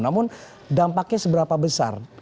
namun dampaknya seberapa besar